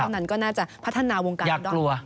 นั้นก็น่าจะพัฒนาวงการได้